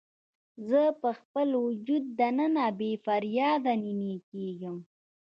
زه په خپل وجود دننه بې فریاده نینې کیږم